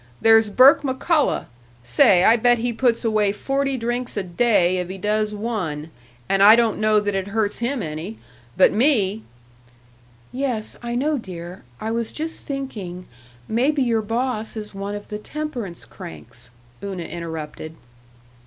There's Burke McCullough. Say, I bet he puts away forty drinks a day, if he does one, and I don't know that it hurts him any; but me " "Yes, I know, dear. I was just thinking maybe your boss is one of the temperance cranks," Una interrupted.